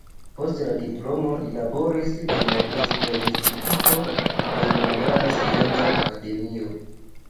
Post la diplomo li laboris en esplorinstituto de Hungara Scienca Akademio.